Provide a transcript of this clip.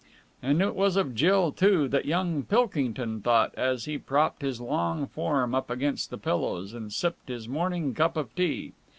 And it was of Jill, too, that young Pilkington thought, as he propped his long form up against the pillows and sipped his morning cup of tea.